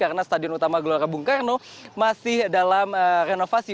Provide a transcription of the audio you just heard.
karena stadion utama gelora bung karno masih dalam renovasi